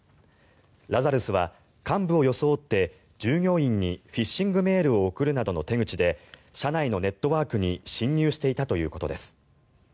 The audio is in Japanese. ラザルスは幹部を装って従業員にフィッシングメールを送るなどの手口で社内のネットワークに侵入していたということです。